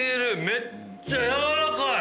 めっちゃやわらかい。